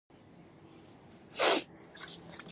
لارډ نارت بروک وړاندیز وکړ.